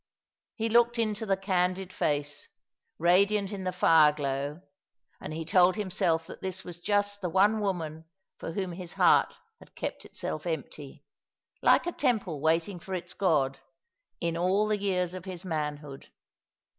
He looked into the candid face, radiant in the fire glow, and he told himself that this was just the one woman for whom his heart had kept itself empty, like a temple waiting for its god, in all the years of his manhood.